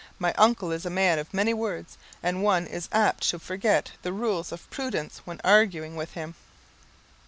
My uncle is a man of many words, and one is apt to forget the rules of prudence when arguing with him."